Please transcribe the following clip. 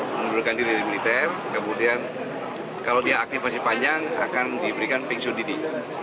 mengundurkan diri dari militer kemudian kalau dia aktifasi panjang akan diberikan pensiun dini